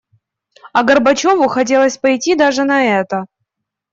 А Горбачёву хотелось пойти даже на это.